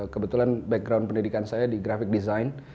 kebetulan background pendidikan saya di grafik design